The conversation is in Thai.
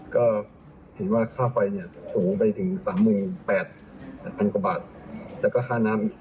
ก็เห็นว่าค่าไฟสูงไปถึง๓๘๐๐๐บาทแล้วก็ค่าน้ำ